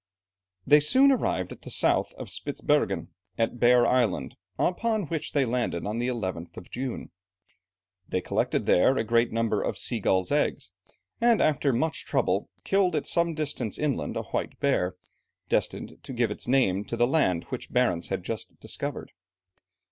They soon arrived to the south of Spitzbergen, at Bear Island, upon which they landed on the 11th of June. They collected there a great number of sea gulls' eggs, and after much trouble killed at some distance inland a white bear, destined to give its name to the land which Barentz had just discovered.